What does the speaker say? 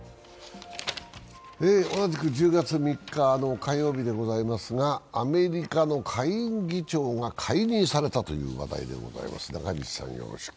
同じく１０月３日の火曜日でございますが、アメリカの下院議長が解任されたという話題です。